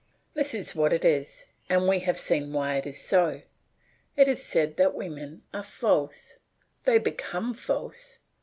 This is what is, and we have seen why it is so. It is said that women are false. They become false.